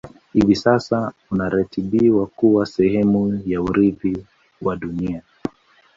Hivi sasa unaratibiwa kuwa sehemu ya Urithi wa dunia